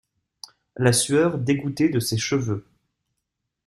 La sueur dégouttait de ses cheveux.